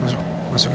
masuk masuk ya